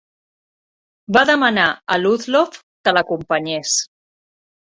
Va demanar a Ludlow que l'acompanyés.